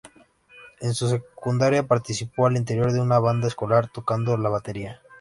En su secundaria participó al interior de una banda escolar tocando a la batería.